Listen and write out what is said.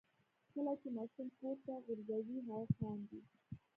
کله چې ماشوم پورته غورځوئ هغه خاندي.